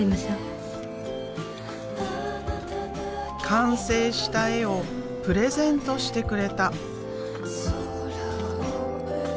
完成した絵をプレゼントしてくれた。